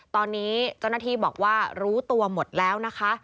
ตอนนี้เจ้าหน้าที่บอกว่ารู้ตัวหมดแล้วนะคะ